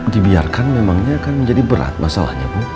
dibiarkan memangnya akan menjadi berat masalahnya bu